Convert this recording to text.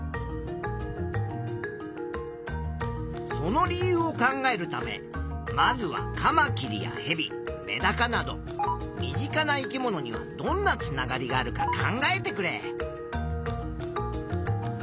その理由を考えるためまずはカマキリやヘビメダカなど身近な生き物にはどんなつながりがあるか考えてくれ。